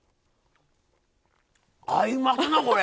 合いますなこれ！